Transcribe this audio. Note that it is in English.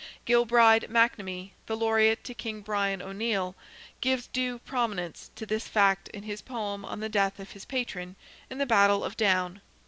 Gilbride McNamee, the laureate to King Brian O'Neil, gives due prominence to this fact in his poem on the death of his patron in the battle of Down (A.